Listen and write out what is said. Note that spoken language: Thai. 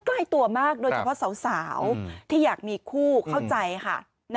ใกล้ตัวมากโดยเฉพาะสาวที่อยากมีคู่เข้าใจค่ะ